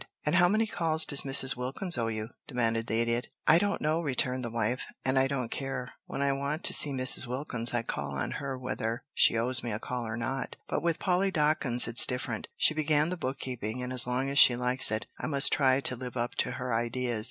"And how many calls does Mrs. Wilkins owe you?" demanded the Idiot. "I don't know," returned the wife. "And I don't care. When I want to see Mrs. Wilkins I call on her whether she owes me a call or not, but with Polly Dawkins it's different. She began the book keeping, and as long as she likes it I must try to live up to her ideas.